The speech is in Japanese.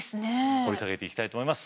掘り下げていきたいと思います。